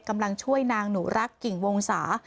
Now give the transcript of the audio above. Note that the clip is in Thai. กำลังช่วยนางหนูรักกิ่งวงศา